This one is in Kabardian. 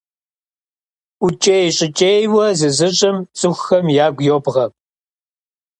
ӀукӀей-щӀыкӀейуэ зызыщӀым цӀыхухэм ягу йобгъэ.